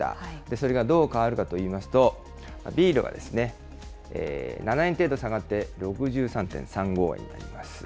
それがどう変わるかといいますと、ビールはですね、７円程度下がって６３．３５円になります。